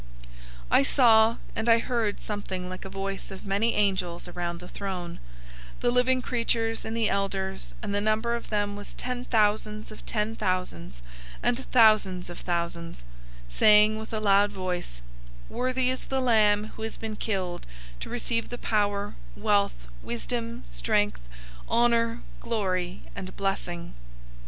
005:011 I saw, and I heard something like a voice of many angels around the throne, the living creatures, and the elders; and the number of them was ten thousands of ten thousands, and thousands of thousands; 005:012 saying with a loud voice, "Worthy is the Lamb who has been killed to receive the power, wealth, wisdom, strength, honor, glory, and blessing!"